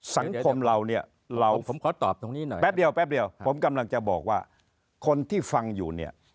สังคมเราเนี่ยแป๊บเดี๋ยวผมกำลังจะบอกว่าคนที่ฟังอยู่เนี่ย